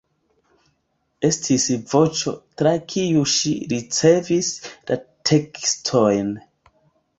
Estis "Voĉo", tra kiu ŝi ricevis la tekstojn.